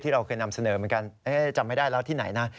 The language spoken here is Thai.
เราเคยนำเสนอเหมือนกันจำไม่ได้แล้วที่ไหนนะ